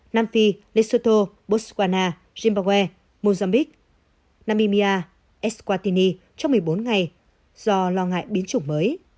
nam phi lesotho botswana zimbabwe mozambique namibia eswatini trong một mươi bốn ngày do lo ngại biến chủng mới